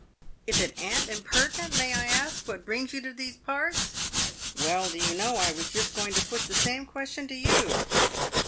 "If it a'n't impertinent, may I. ask what brings you to these parts?" " Well, do you know, I was just going to put the same question to you?"